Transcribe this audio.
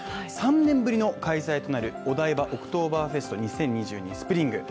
３年ぶりの開催となる「お台場オクトーバーフェスト２０２２